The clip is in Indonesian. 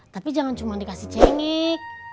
tapi jangan cuma dikasih cengek